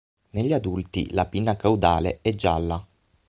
Negli adulti la pinna caudale è gialla.